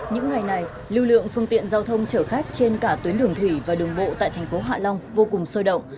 những ngày này lưu lượng phương tiện giao thông chở khách trên cả tuyến đường thủy và đường bộ tại thành phố hạ long vô cùng sôi động